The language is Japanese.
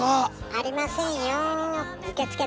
ありませんよ。